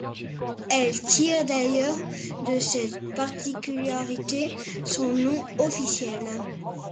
Elle tire d'ailleurs de cette particularité son nom officiel.